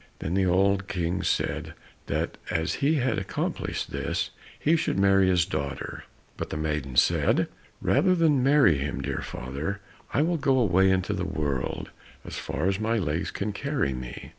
Then the old King said that as he had accomplished this, he should marry his daughter. But the maiden said, "Rather than marry him, dear father, I will go away into the world as far as my legs can carry me."